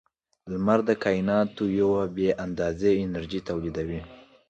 • لمر د کائنات یوه بې اندازې انرژي تولیدوي.